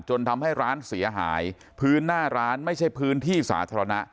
ทำให้ร้านเสียหายพื้นหน้าร้านไม่ใช่พื้นที่สาธารณะ